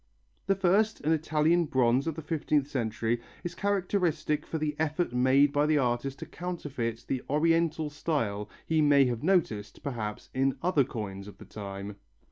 The first, an Italian bronze of the fifteenth century, is characteristic for the effort made by the artist to counterfeit the Oriental style he may have noticed, perhaps, in other coins of the time.